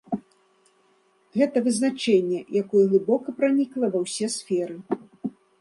Гэта вызначэнне, якое глыбока пранікла ва ўсе сферы.